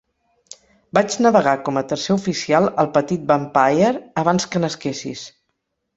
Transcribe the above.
Vaig navegar com a tercer oficial al petit Vampire abans que nasquessis.